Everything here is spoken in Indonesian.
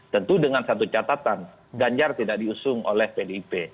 tentu dengan satu catatan ganjar tidak diusung oleh pdip